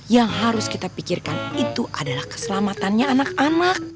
yang harus kita pikirkan itu adalah keselamatannya anak anak